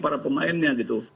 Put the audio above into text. para pemainnya gitu